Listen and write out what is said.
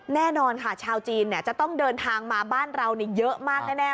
แน่นอนค่ะชาวจีนจะต้องเดินทางมาบ้านเราเยอะมากแน่